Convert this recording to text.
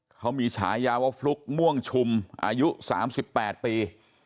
เขามีฉายาว่าฟลุ๊กม่วงชุมอายุ๓๘ปี